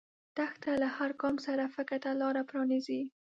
دښته له هر ګام سره فکر ته لاره پرانیزي.